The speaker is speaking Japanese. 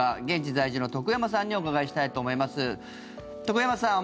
現地在住の徳山さんにお伺いしたいと思います。